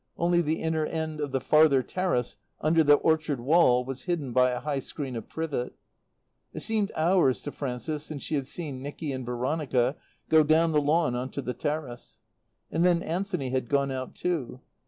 Only the inner end of the farther terrace, under the orchard wall, was hidden by a high screen of privet. It seemed hours to Frances since she had seen Nicky and Veronica go down the lawn on to the terrace. And then Anthony had gone out too.